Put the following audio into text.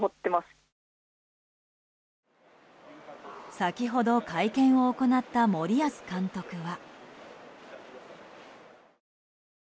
先ほど、会見を行った森保監督は。